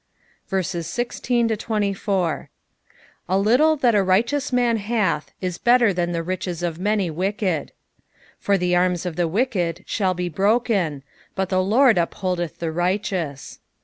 i6 A little that a righteous man hath is better than the riches of many wicked. 17 For the arms of the wicked shall be broken : but the LORD 'T' upholdeth the righteous.